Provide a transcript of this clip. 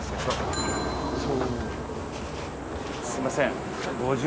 すみません。